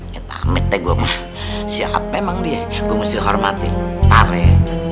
ya tamet deh gua mah siapa emang dia gua mesti hormatin tareh